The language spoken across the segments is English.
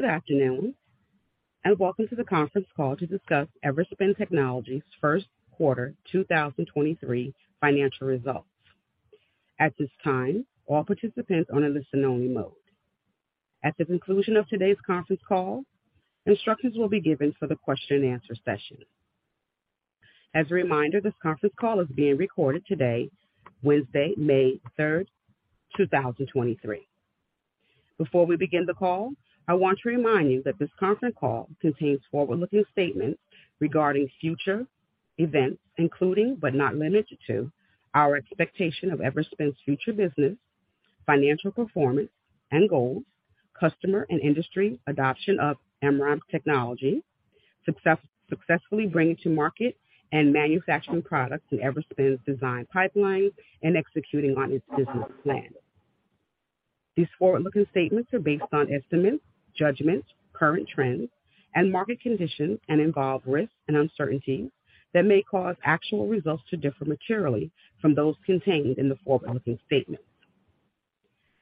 Good afternoon, welcome to the conference call to discuss Everspin Technologies' first quarter 2023 financial results. At this time, all participants are on a listen only mode. At the conclusion of today's conference call, instructions will be given for the question and answer session. As a reminder, this conference call is being recorded today, Wednesday, May 3, 2023. Before we begin the call, I want to remind you that this conference call contains forward-looking statements regarding future events, including, but not limited to, our expectation of Everspin's future business, financial performance and goals, customer and industry adoption of MRAM technology, successfully bringing to market and manufacturing products in Everspin's design pipeline, executing on its business plan. These forward-looking statements are based on estimates, judgments, current trends and market conditions and involve risks and uncertainties that may cause actual results to differ materially from those contained in the forward-looking statements.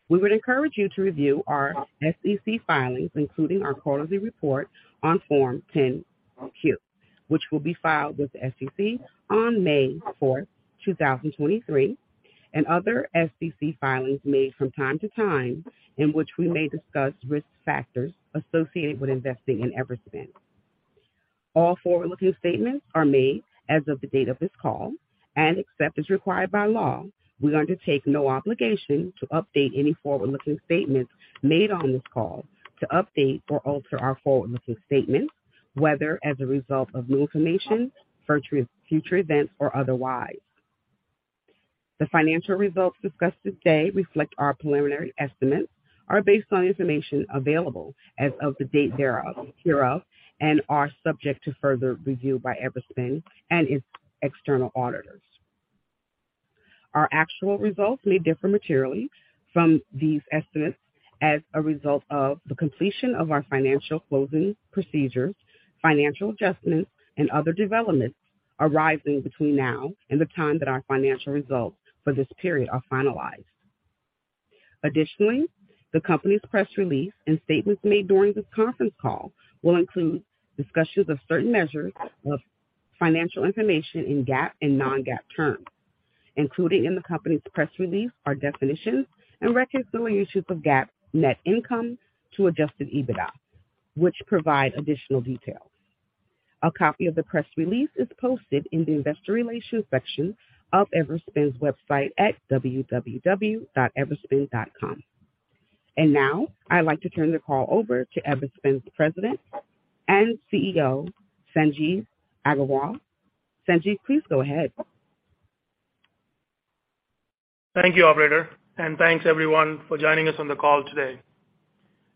We would encourage you to review our SEC filings, including our quarterly report on Form 10-Q, which will be filed with the SEC on May 4, 2023, and other SEC filings made from time to time in which we may discuss risk factors associated with investing in Everspin. All forward-looking statements are made as of the date of this call and except as required by law, we undertake no obligation to update any forward-looking statements made on this call to update or alter our forward-looking statements, whether as a result of new information, future events or otherwise. The financial results discussed today reflect our preliminary estimates, are based on information available as of the date thereof, hereof, and are subject to further review by Everspin and its external auditors. Our actual results may differ materially from these estimates as a result of the completion of our financial closing procedures, financial adjustments and other developments arising between now and the time that our financial results for this period are finalized. Additionally, the company's press release and statements made during this conference call will include discussions of certain measures of financial information in GAAP and non-GAAP terms, including in the company's press release are definitions and reconciliations of GAAP net income to adjusted EBITDA, which provide additional details. A copy of the press release is posted in the investor relations section of Everspin's website at www.everspin.com. Now I'd like to turn the call over to Everspin's President and CEO, Sanjeev Aggarwal. Sanjeev, please go ahead. Thank you, operator, and thanks everyone for joining us on the call today.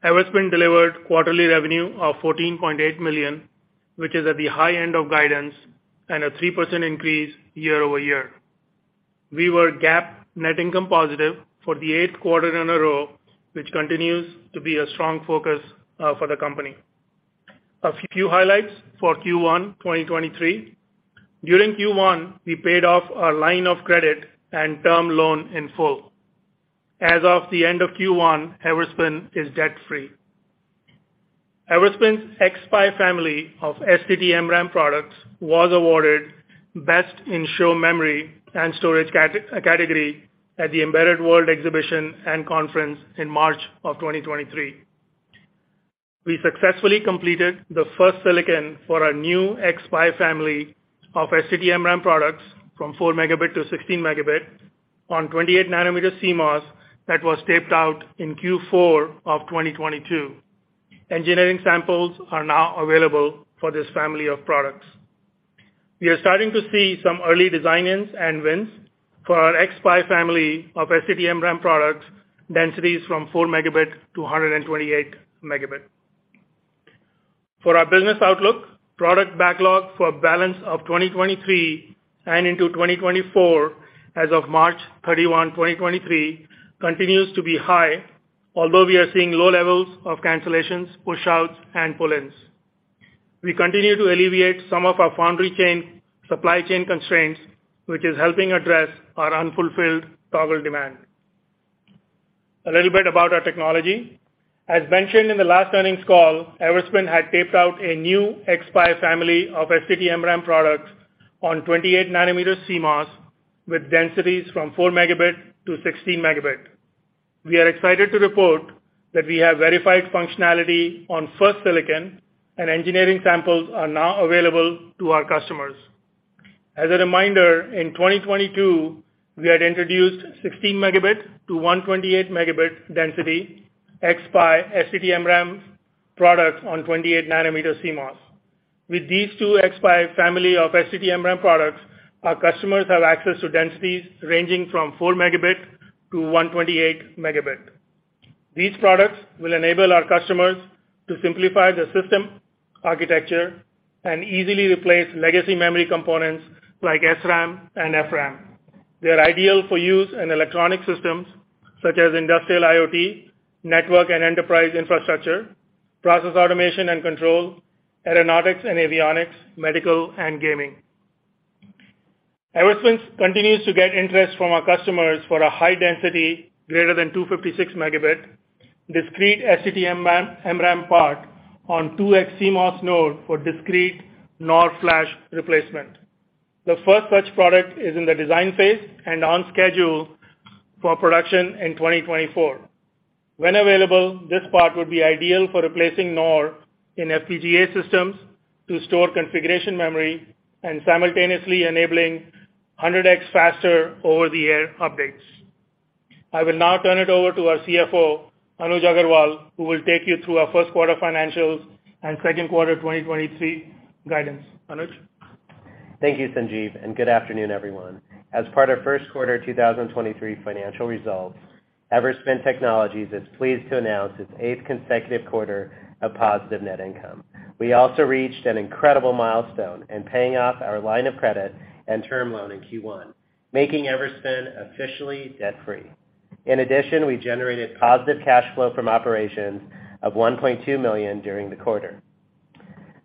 Everspin delivered quarterly revenue of $14.8 million, which is at the high end of guidance and a 3% increase year-over-year. We were GAAP net income positive for the 8th quarter in a row, which continues to be a strong focus for the company. A few highlights for Q1 2023. During Q1, we paid off our line of credit and term loan in full. As of the end of Q1, Everspin is debt-free. Everspin's xSPI family of STT-MRAM products was awarded Best in Show Memory and Storage category at the embedded world Exhibition&Conference in March 2023. We successfully completed the first silicon for our new xSPI family of STT-MRAM products from 4 megabit to 16 megabit on 28 nanometer CMOS that was taped out in Q4 of 2022. Engineering samples are now available for this family of products. We are starting to see some early design-ins and wins for our xSPI family of STT-MRAM products, densities from 4 megabit to 128 megabit. For our business outlook, product backlog for balance of 2023 and into 2024 as of March 31, 2023 continues to be high although we are seeing low levels of cancellations, pushouts and pull-ins. We continue to alleviate some of our foundry chain, supply chain constraints, which is helping address our unfulfilled total demand. A little bit about our technology. As mentioned in the last earnings call, Everspin had taped out a new xSPI family of STT-MRAM products on 28nm CMOS with densities from 4 megabit to 16 megabit. We are excited to report that we have verified functionality on first silicon and engineering samples are now available to our customers. As a reminder, in 2022 we had introduced 16 megabit to 128 megabit density xSPI STT-MRAM products on 28nm CMOS node. With these two xSPI family of STT-MRAM products, our customers have access to densities ranging from 4 megabit to 128 megabit. These products will enable our customers to simplify the system architecture and easily replace legacy memory components like SRAM and FRAM. They are ideal for use in electronic systems such as industrial IoT, network and enterprise infrastructure, process automation and control, aeronautics and avionics, medical and gaming. Everspin continues to get interest from our customers for a high density greater than 256 megabit discrete STT-MRAM part on 2x CMOS node for discrete NOR flash replacement. The first such product is in the design phase and on schedule for production in 2024. When available, this part would be ideal for replacing NOR in FPGA systems to store configuration memory and simultaneously enabling 100x faster over-the-air updates. I will now turn it over to our CFO, Anuj Aggarwal, who will take you through our 1st quarter financials and 2nd quarter 2023 guidance. Anuj? Thank you, Sanjeev, and good afternoon, everyone. As part of first quarter 2023 financial results, Everspin Technologies is pleased to announce its eighth consecutive quarter of positive net income. We also reached an incredible milestone in paying off our line of credit and term loan in Q1, making Everspin officially debt-free. In addition, we generated positive cash flow from operations of $1.2 million during the quarter.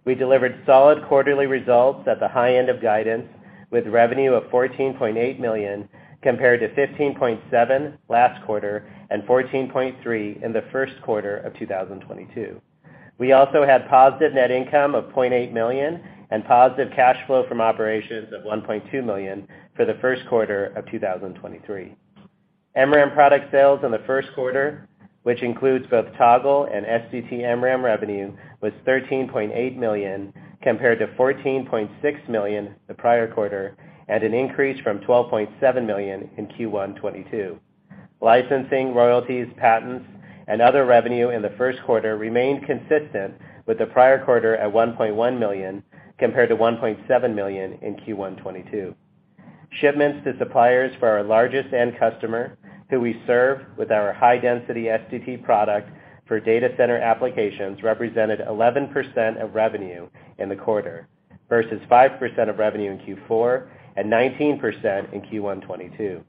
We delivered solid quarterly results at the high end of guidance with revenue of $14.8 million compared to $15.7 million last quarter and $14.3 million in the first quarter of 2022. We also had positive net income of $0.8 million and positive cash flow from operations of $1.2 million for the first quarter of 2023. MRAM product sales in the first quarter, which includes both Toggle and STT-MRAM revenue, was $13.8 million compared to $14.6 million the prior quarter, an increase from $12.7 million in Q1 2022. Licensing, royalties, patents, and other revenue in the first quarter remained consistent with the prior quarter at $1.1 million, compared to $1.7 million in Q1 2022. Shipments to suppliers for our largest end customer, who we serve with our high-density STT product for data center applications, represented 11% of revenue in the quarter versus 5% of revenue in Q4 and 19% in Q1 2022.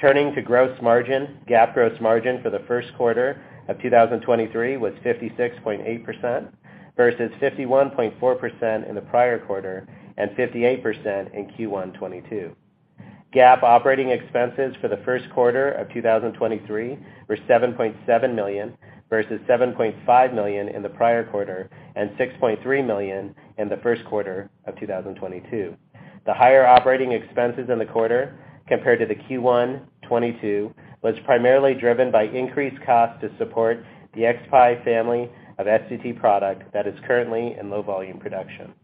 Turning to gross margin, GAAP gross margin for the first quarter of 2023 was 56.8% versus 51.4% in the prior quarter and 58% in Q1 2022. GAAP operating expenses for the first quarter of 2023 were $7.7 million versus $7.5 million in the prior quarter and $6.3 million in the first quarter of 2022. The higher operating expenses in the quarter compared to the Q1 2022 was primarily driven by increased cost to support the xSPI family of STT product that is currently in low volume production.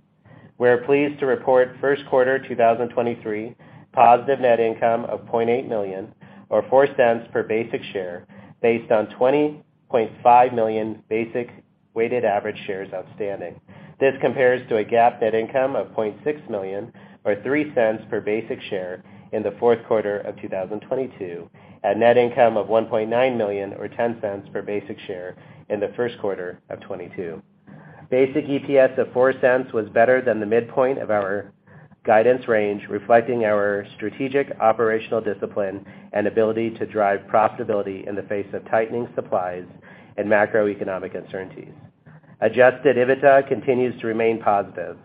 We are pleased to report first quarter 2023 positive net income of $0.8 million or $0.04 per basic share based on 20.5 million basic weighted average shares outstanding. This compares to a GAAP net income of $0.6 million or $0.03 per basic share in the fourth quarter of 2022, a net income of $1.9 million or $0.10 per basic share in the first quarter of 2022. Basic EPS of $0.04 was better than the midpoint of our guidance range, reflecting our strategic operational discipline and ability to drive profitability in the face of tightening supplies and macroeconomic uncertainties. Adjusted EBITDA continues to remain positive.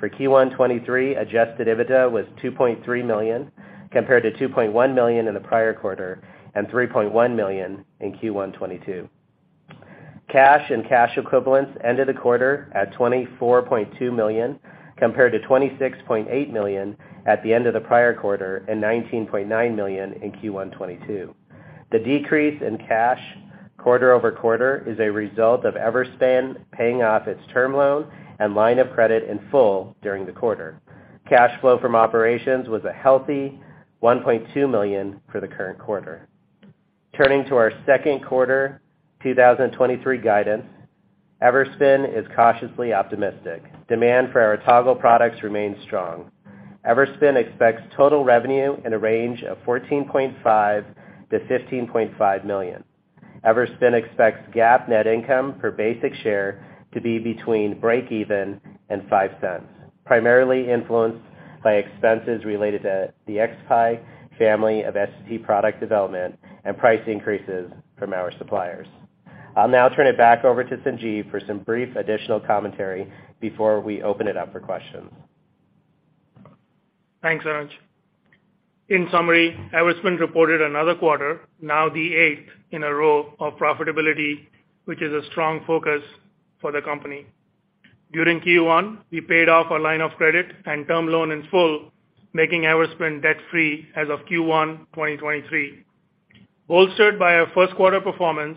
For Q1 2023, adjusted EBITDA was $2.3 million compared to $2.1 million in the prior quarter and $3.1 million in Q1 2022. Cash and cash equivalents ended the quarter at $24.2 million compared to $26.8 million at the end of the prior quarter and $19.9 million in Q1 2022. The decrease in cash quarter-over-quarter is a result of Everspin paying off its term loan and line of credit in full during the quarter. Cash flow from operations was a healthy $1.2 million for the current quarter. Turning to our second quarter 2023 guidance, Everspin is cautiously optimistic. Demand for our Toggle products remains strong. Everspin expects total revenue in a range of $14.5 million-$15.5 million. Everspin expects GAAP net income per basic share to be between breakeven and $0.05, primarily influenced by expenses related to the xSPI family of STT product development and price increases from our suppliers. I'll now turn it back over to Sanjeev for some brief additional commentary before we open it up for questions. Thanks, Anuj. In summary, Everspin reported another quarter, now the 8th in a row of profitability, which is a strong focus for the company. During Q1, we paid off our line of credit and term loan in full, making Everspin debt-free as of Q1 2023. Bolstered by our 1st quarter performance,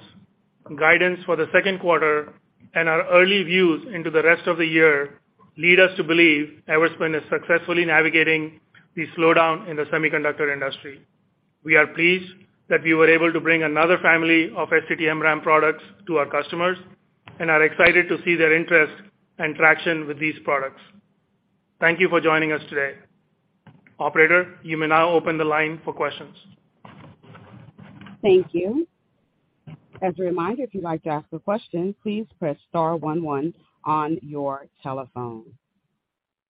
guidance for the 2nd quarter, and our early views into the rest of the year lead us to believe Everspin is successfully navigating the slowdown in the semiconductor industry. We are pleased that we were able to bring another family of STT-MRAM products to our customers and are excited to see their interest and traction with these products. Thank you for joining us today. Operator, you may now open the line for questions. Thank you. As a reminder, if you'd like to ask a question, please press star one one on your telephone.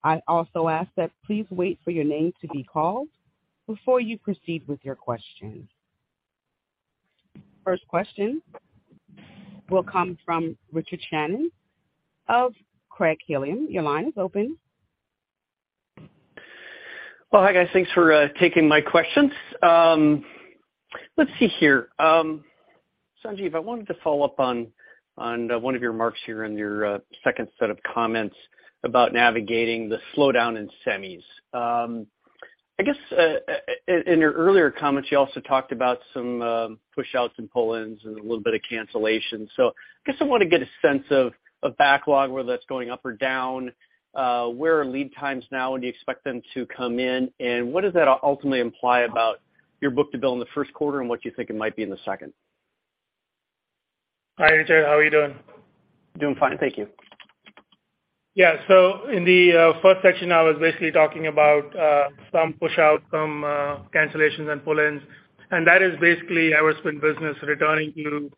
I also ask that please wait for your name to be called before you proceed with your question. First question will come from Richard Shannon of Craig-Hallum. Your line is open. Well, hi, guys. Thanks for taking my questions. Let's see here. Sanjeev, I wanted to follow up on one of your remarks here in your second set of comments about navigating the slowdown in semis. I guess in your earlier comments, you also talked about some pushouts and pull-ins and a little bit of cancellation. I guess I want to get a sense of backlog, whether that's going up or down, where are lead times now, when do you expect them to come in, and what does that ultimately imply about your book-to-bill in the first quarter and what you think it might be in the second? Hi, Richard. How are you doing? Doing fine. Thank you. Yeah. In the first section, I was basically talking about some pushout, some cancellations and pull-ins, and that is basically our spin business returning to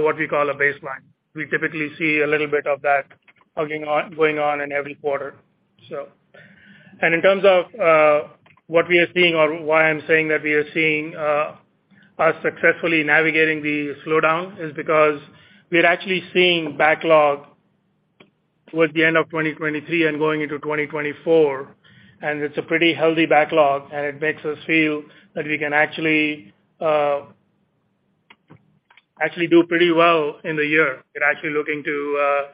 what we call a baseline. We typically see a little bit of that going on in every quarter. In terms of what we are seeing or why I'm saying that we are seeing us successfully navigating the slowdown is because we're actually seeing backlog towards the end of 2023 and going into 2024, and it's a pretty healthy backlog and it makes us feel that we can actually do pretty well in the year. We're actually looking to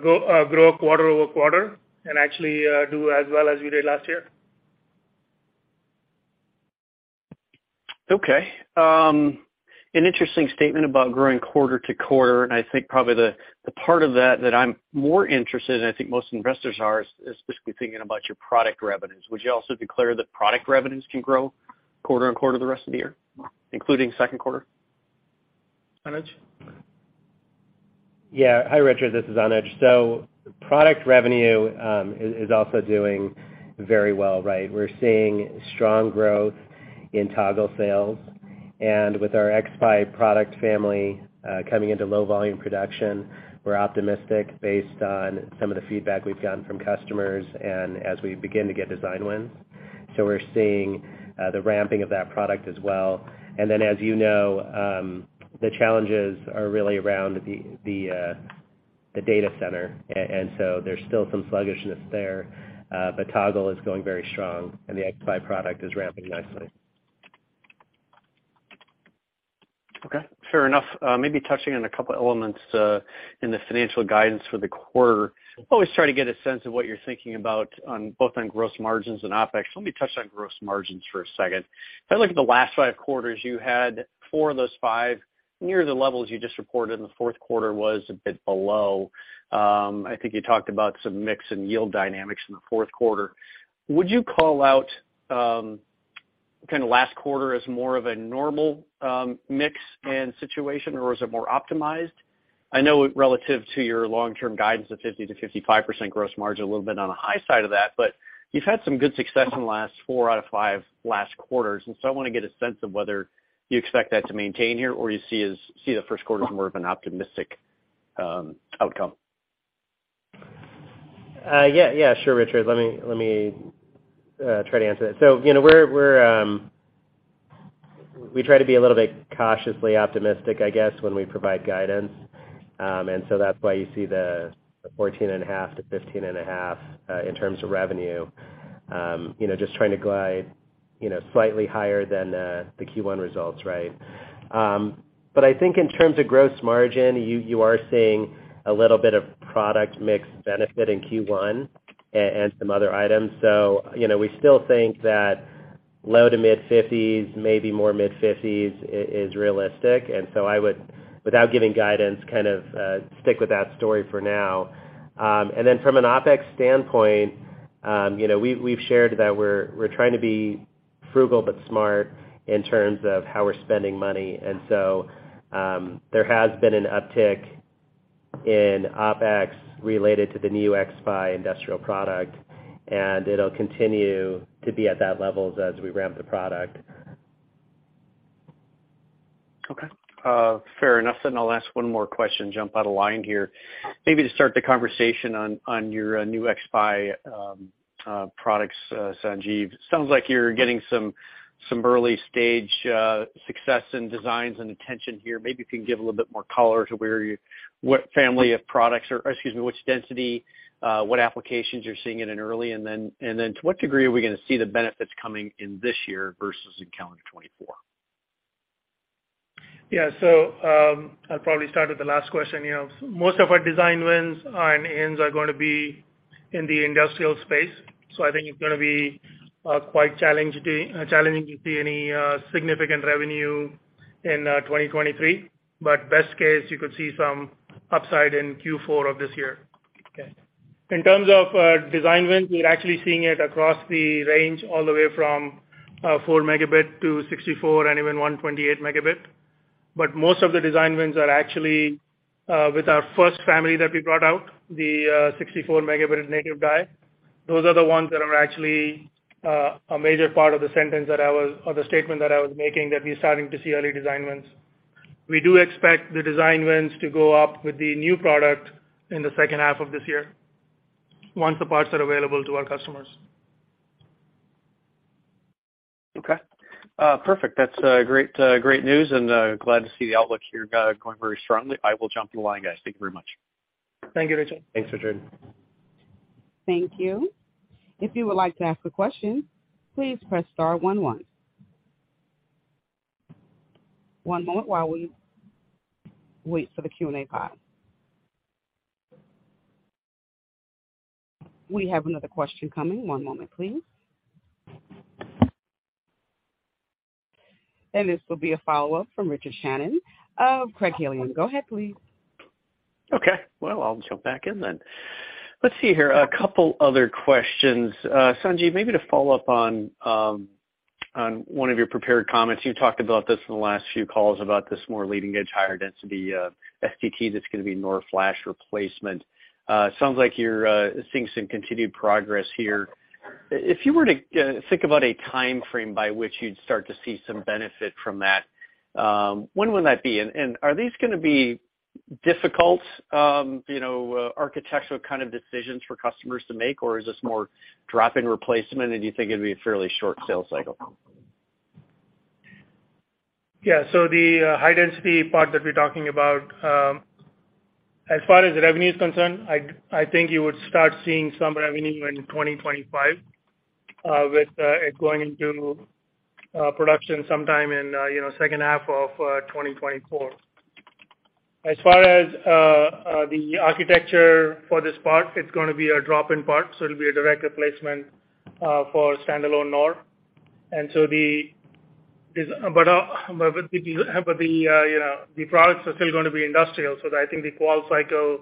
grow quarter-over-quarter and actually do as well as we did last year. Okay. an interesting statement about growing quarter-to-quarter, I think probably the part of that that I'm more interested in, I think most investors are, is specifically thinking about your product revenues. Would you also declare that product revenues can grow quarter on quarter the rest of the year, including second quarter? Anuj? Hi, Richard. This is Anuj. Product revenue is also doing very well, right? We're seeing strong growth in Toggle sales. With our xSPI product family coming into low volume production, we're optimistic based on some of the feedback we've gotten from customers and as we begin to get design wins. We're seeing the ramping of that product as well. Then as you know, the challenges are really around the data center. And so there's still some sluggishness there, but Toggle is going very strong and the xSPI product is ramping nicely. Okay. Fair enough. Maybe touching on a couple elements in the financial guidance for the quarter. Always try to get a sense of what you're thinking about on both on gross margins and OpEx. Let me touch on gross margins for a second. If I look at the last 5 quarters, you had four of those five near the levels you just reported, and the fourth quarter was a bit below. I think you talked about some mix and yield dynamics in the fourth quarter. Would you call out, kinda last quarter as more of a normal mix and situation or was it more optimized? I know relative to your long-term guidance of 50%-55% gross margin, a little bit on the high side of that. You've had some good success in the last four out of five last quarters. I wanna get a sense of whether you expect that to maintain here or you see the first quarter as more of an optimistic outcome. Yeah, yeah. Sure, Richard. Let me try to answer that. You know, we're... We try to be a little bit cautiously optimistic, I guess, when we provide guidance. That's why you see the fourteen and a half to fifteen and a half in terms of revenue, you know, just trying to glide, you know, slightly higher than the Q1 results, right? I think in terms of gross margin, you are seeing a little bit of product mix benefit in Q1 and some other items. You know, we still think that low to mid-fifties, maybe more mid-fifties is realistic. I would, without giving guidance, kind of stick with that story for now. From an OpEx standpoint, you know, we've shared that we're trying to be frugal but smart in terms of how we're spending money. There has been an uptick in OpEx related to the new xSPI industrial product, and it'll continue to be at that level as we ramp the product. Okay. fair enough. I'll ask one more question, jump out of line here. Maybe to start the conversation on your new xSPI products, Sanjeev. Sounds like you're getting some early stage success in designs and attention here. Maybe you can give a little bit more color to where you what family of products or excuse me, which density, what applications you're seeing it in early, and then to what degree are we gonna see the benefits coming in this year versus in calendar 2024? Yeah. I'll probably start with the last question. You know, most of our design wins on ends are gonna be in the industrial space, so I think it's gonna be quite challenging to see any significant revenue in 2023. Best case, you could see some upside in Q4 of this year. Okay. In terms of design wins, we're actually seeing it across the range all the way from four megabit to 64 and even 128 megabit. Most of the design wins are actually with our first family that we brought out, the 64 megabit native die. Those are the ones that are actually a major part of the statement that I was making that we're starting to see early design wins. We do expect the design wins to go up with the new product in the second half of this year once the parts are available to our customers. Okay. perfect. That's great news and glad to see the outlook here going very strongly. I will jump in the line, guys. Thank you very much. Thank you, Richard. Thanks, Richard. Thank you. If you would like to ask a question, please press star one one. One moment while we wait for the Q&A pod. We have another question coming. One moment, please. This will be a follow-up from Richard Shannon of Craig-Hallum. Go ahead, please. Okay. Well, I'll jump back in then. Let's see here. A couple other questions. Sanjeeev, maybe to follow up on one of your prepared comments. You talked about this in the last few calls about this more leading-edge, higher density, STT that's gonna be NOR flash replacement. Sounds like you're seeing some continued progress here. If you were to think about a timeframe by which you'd start to see some benefit from that, when would that be? Are these gonna be difficult, you know, architectural kind of decisions for customers to make, or is this more drop-in replacement, and do you think it'd be a fairly short sales cycle? Yeah. So the high density part that we're talking about, as far as revenue is concerned, I think you would start seeing some revenue in 2025, with it going into production sometime in, you know, second half of 2024. As far as the architecture for this part, it's gonna be a drop-in part, so it'll be a direct replacement for standalone NOR. With the, you know, the products are still gonna be industrial, so I think the qual cycle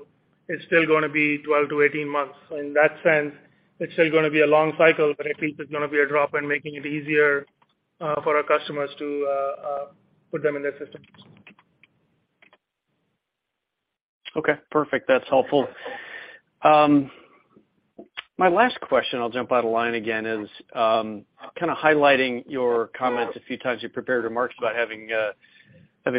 is still gonna be 12-18 months. In that sense, it's still gonna be a long cycle, but at least it's gonna be a drop-in, making it easier for our customers to put them in their systems. Okay. Perfect. That's helpful. My last question, I'll jump out of line again, is, kinda highlighting your comments a few times, your prepared remarks about having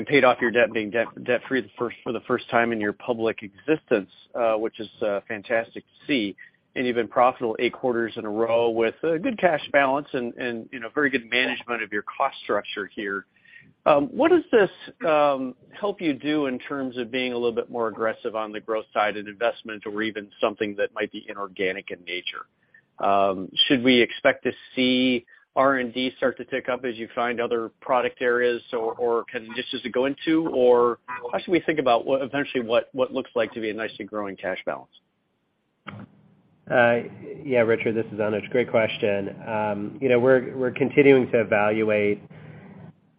paid off your debt, being debt-free for the first time in your public existence, which is fantastic to see. You've been profitable eight quarters in a row with a good cash balance and, you know, very good management of your cost structure here. What does this help you do in terms of being a little bit more aggressive on the growth side and investment or even something that might be inorganic in nature? Should we expect to see R&D start to tick up as you find other product areas, or can this just go into? How should we think about eventually, what looks like to be a nicely growing cash balance? Yeah, Richard Shannon, this is Anuj Aggarwal. Great question. You know, we're continuing to evaluate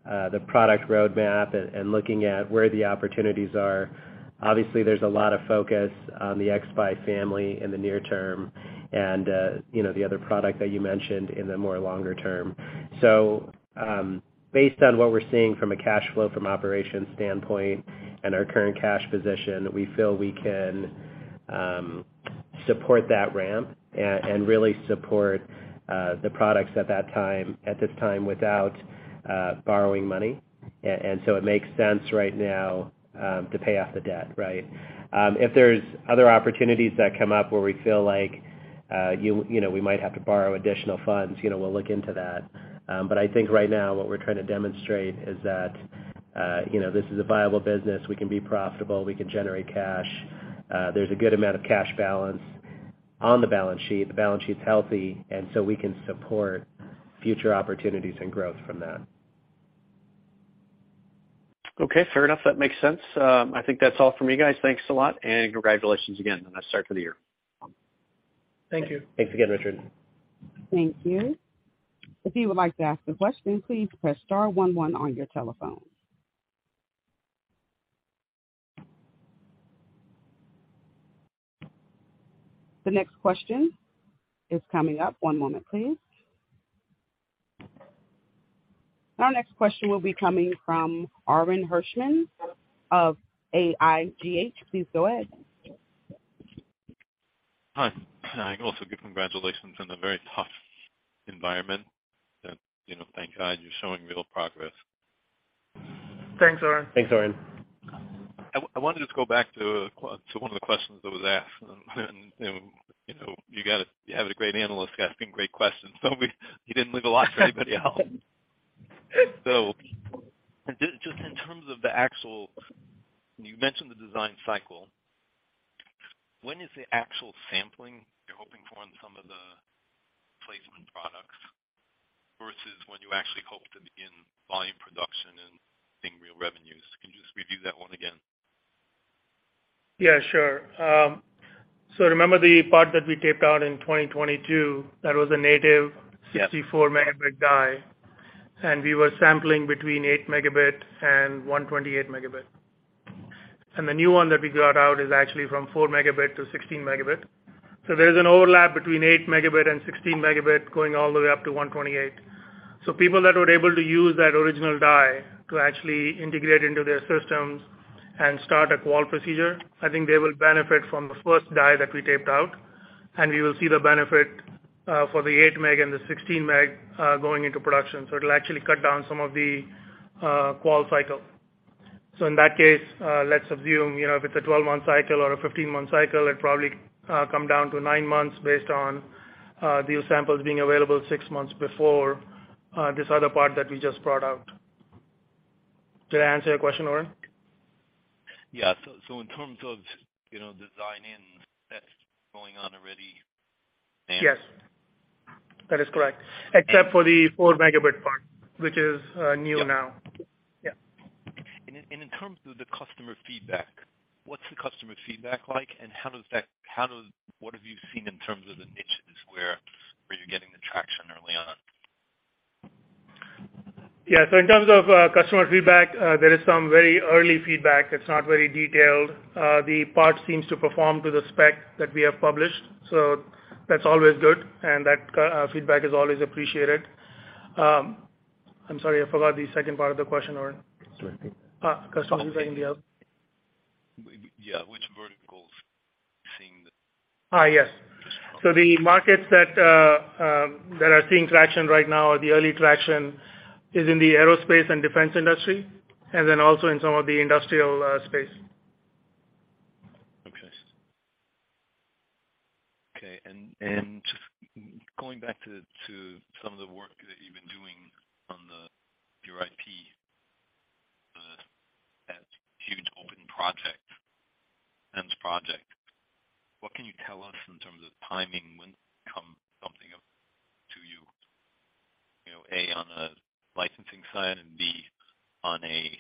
the product roadmap and looking at where the opportunities are. Obviously, there's a lot of focus on the xSPI family in the near term and, you know, the other product that you mentioned in the more longer term. Based on what we're seeing from a cash flow from operations standpoint and our current cash position, we feel we can support that ramp and really support the products at this time without borrowing money. It makes sense right now to pay off the debt, right? If there's other opportunities that come up where we feel like, you know, we might have to borrow additional funds, you know, we'll look into that. I think right now what we're trying to demonstrate is that, you know, this is a viable business. We can be profitable. We can generate cash. There's a good amount of cash balance on the balance sheet. The balance sheet's healthy, and so we can support future opportunities and growth from that. Okay. Fair enough. That makes sense. I think that's all from me, guys. Thanks a lot, and congratulations again on a nice start to the year. Thank you. Thanks again, Richard. Thank you. If you would like to ask a question, please press star one one on your telephone. The next question is coming up. One moment, please. Our next question will be coming from Orin Hirschman of AIGH. Please go ahead. Hi. Can I also give congratulations in a very tough environment that, you know, thank God you're showing real progress. Thanks, Orin. Thanks, Orin. I wanna just go back to one of the questions that was asked. You know, you have a great analyst asking great questions, so you didn't leave a lot for anybody else. Just in terms of the actual. You mentioned the design cycle. When is the actual sampling you're hoping for on some of the placement products versus when you actually hope to begin volume production and seeing real revenues? Can you just review that one again? Yeah, sure. Remember the part that we taped out in 2022, that was a. Yeah. 64 megabit die, and we were sampling between 8 megabit and 128 megabit. The new one that we got out is actually from 4 megabit to 16 megabit. There's an overlap between 8 megabit and 16 megabit going all the way up to 128. People that were able to use that original die to actually integrate into their systems and start a qual procedure, I think they will benefit from the first die that we taped out, and we will see the benefit for the 8 meg and the 16 meg going into production. It'll actually cut down some of the qual cycle. In that case, let's assume, you know, if it's a 12-month cycle or a 15-month cycle, it probably come down to 9 months based on these samples being available 6 months before this other part that we just brought out. Did I answer your question, Oren? Yeah. In terms of, you know, design and tests going on already... Yes, that is correct. Except for the 4 megabit part, which is new now. Yeah. In terms of the customer feedback, what's the customer feedback like? How does what have you seen in terms of the niches where you're getting the traction early on? Yeah. In terms of customer feedback, there is some very early feedback. It's not very detailed. The part seems to perform to the spec that we have published, so that's always good, and that feedback is always appreciated. I'm sorry, I forgot the second part of the question, Oren. It's okay. customers in the. Yeah. Which verticals are you seeing? Yes. The markets that are seeing traction right now or the early traction is in the aerospace and defense industry, and then also in some of the industrial space. Okay. Okay. Just going back to some of the work that you've been doing on your IP, that huge open project, MS project, what can you tell us in terms of timing when come something up to you know, A, on a licensing side and B, on a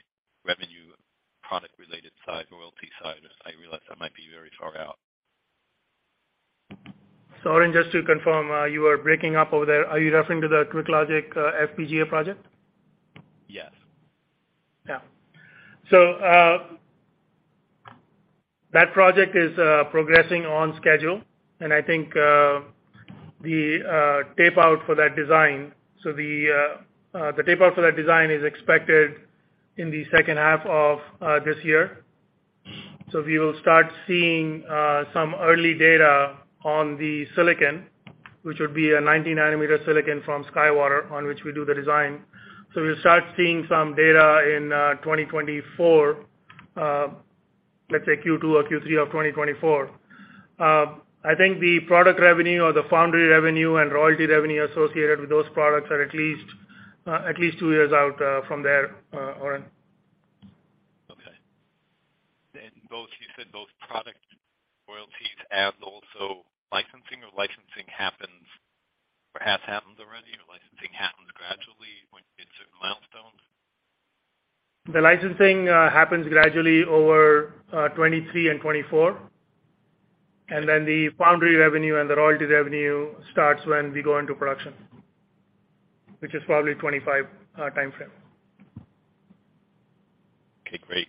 revenue product related side, royalty side? I realize that might be very far out. Sorry, just to confirm, you were breaking up over there. Are you referring to the QuickLogic FPGA project? Yes. Yeah. That project is progressing on schedule, and I think, the tape-out for that design is expected in the second half of this year. We will start seeing some early data on the silicon, which would be a 90-nanometer silicon from SkyWater, on which we do the design. We'll start seeing some data in 2024, let's say Q2 or Q3 of 2024. I think the product revenue or the foundry revenue and royalty revenue associated with those products are at least two years out from there, Oren. Okay. You said both product royalties and also licensing or licensing happens or has happened already, or licensing happens gradually when you hit certain milestones? The licensing happens gradually over 2023 and 2024. The foundry revenue and the royalty revenue starts when we go into production, which is probably 2025 timeframe. Okay, great.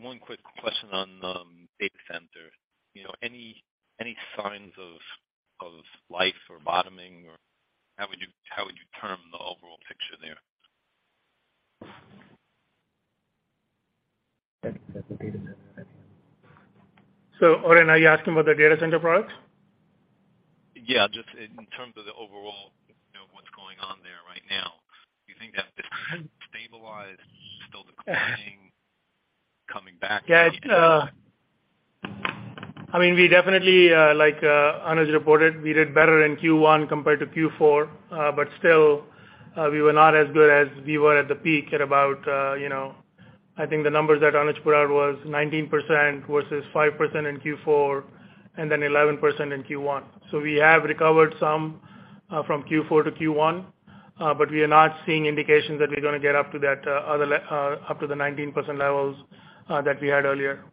One quick question on, data center. You know, any signs of life or bottoming or how would you term the overall picture there? That's the data center I think. Oren, are you asking about the data center products? Yeah, just in terms of the overall, you know, what's going on there right now. Do you think that they're stabilized, still declining, coming back? Yeah. It's, I mean, we definitely, like, Anuj Aggarwal reported, we did better in Q1 compared to Q4. Still, we were not as good as we were at the peak at about, you know, I think the numbers that Anuj Aggarwal put out was 19% versus 5% in Q4 and then 11% in Q1. We have recovered some, from Q4 to Q1. We are not seeing indications that we're gonna get up to that, other up to the 19% levels, that we had earlier.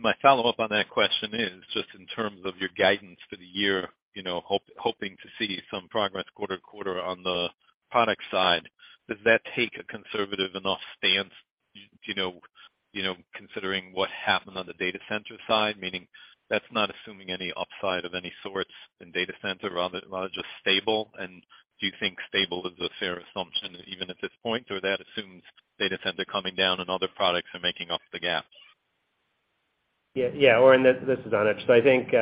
My follow-up on that question is, just in terms of your guidance for the year, you know, hoping to see some progress quarter to quarter on the product side, does that take a conservative enough stance, do you know, you know, considering what happened on the data center side? Meaning that's not assuming any upside of any sorts in data center, rather just stable, and do you think stable is a fair assumption even at this point, or that assumes data center coming down and other products are making up the gaps? Yeah. Yeah. Oren, this is Anuj. I think,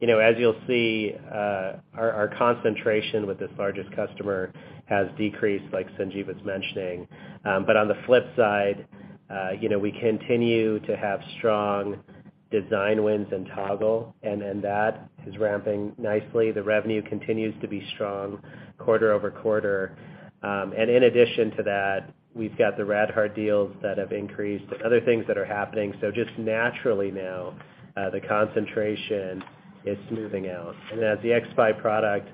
you know, as you'll see, our concentration with this largest customer has decreased like Sanjeev was mentioning. But on the flip side, you know, we continue to have strong design wins in Toggle, and then that is ramping nicely. The revenue continues to be strong quarter-over-quarter. In addition to that, we've got the RadHard deals that have increased, other things that are happening. Just naturally now, the concentration is smoothing out. As the xSPI product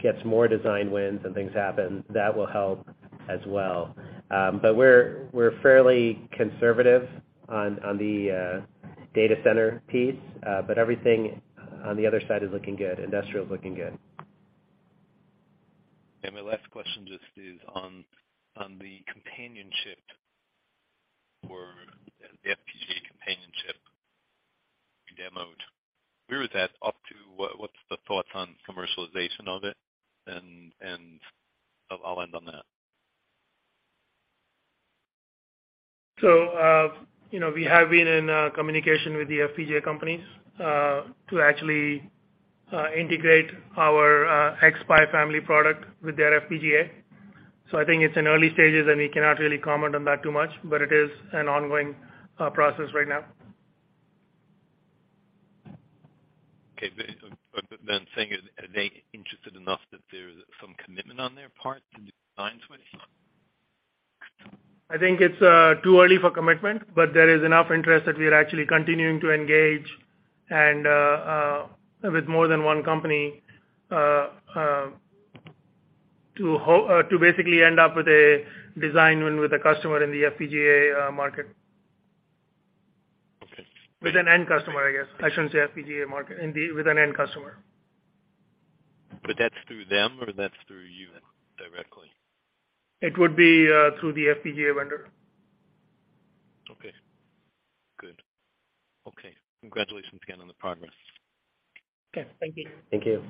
gets more design wins and things happen, that will help as well. But we're fairly conservative on the data center piece, but everything on the other side is looking good. Industrial is looking good. My last question just is on the companionship for the FPGA companionship you demoed. Where is that up to? What's the thoughts on commercialization of it? I'll end on that. You know, we have been in communication with the FPGA companies, to actually integrate our xSPI family product with their FPGA. I think it's in early stages, and we cannot really comment on that too much, but it is an ongoing process right now. Okay. Saying are they interested enough that there is some commitment on their part to do designs with? I think it's too early for commitment, but there is enough interest that we are actually continuing to engage and with more than one company to basically end up with a design win with a customer in the FPGA market. Okay. With an end customer, I guess. I shouldn't say FPGA market. With an end customer. That's through them or that's through you directly? It would be through the FPGA vendor. Okay, good. Okay. Congratulations again on the progress. Okay. Thank you. Thank you.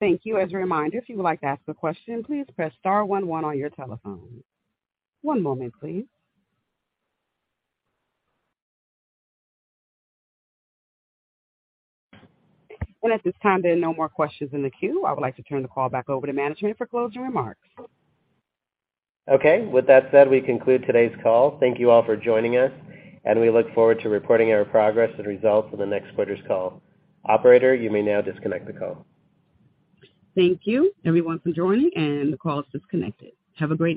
Thank you. As a reminder, if you would like to ask a question, please press star one one on your telephone. One moment, please. At this time, there are no more questions in the queue. I would like to turn the call back over to management for closing remarks. Okay. With that said, we conclude today's call. Thank you all for joining us, and we look forward to reporting our progress and results in the next quarter's call. Operator, you may now disconnect the call. Thank you everyone for joining. The call is disconnected. Have a great day.